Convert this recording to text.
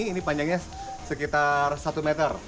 ini panjangnya sekitar satu meter